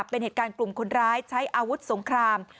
เป็นเหตุการณ์กลุ่มคนร้ายใช้อาวุธสงคราม